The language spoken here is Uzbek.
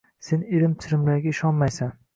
Sen irim-chirimlarga ishonmaysan.